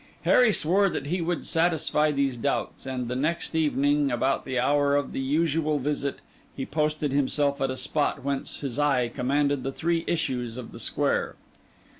Harry swore that he would satisfy these doubts; and the next evening, about the hour of the usual visit, he posted himself at a spot whence his eye commanded the three issues of the square.